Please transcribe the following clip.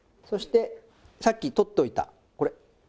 そしてさっき取っておいたこれ。